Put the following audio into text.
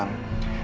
bukan kan bu